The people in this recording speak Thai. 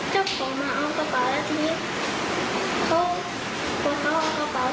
เจ้าผมเอาไปให้มานักงานแล้วให้เขาประกาศครับ